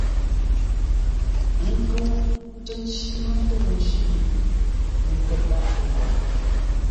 Ə́ nkə́u nkə́ ncí mə́ ntə̂u nci, ə́ nkə́ ndáʼ pə́ yórə́.